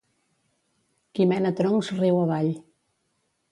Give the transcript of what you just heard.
Qui mena troncs riu avall.